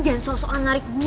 iya khusus goreng tunggu